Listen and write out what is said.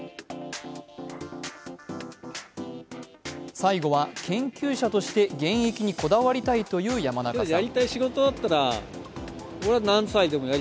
最後は研究者として現役にこだわりたいという山中さん。